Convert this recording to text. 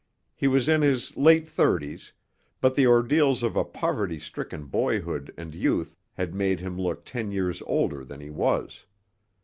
He was in his late thirties, but the ordeals of a poverty stricken boyhood and youth had made him look ten years older than he was.